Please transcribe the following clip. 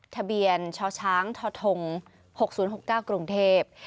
ทะเบียนชชทธ๖๐๖๙กรุงเทพฯ